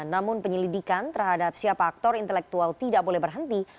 namun penyelidikan terhadap siapa aktor intelektual tidak boleh berhenti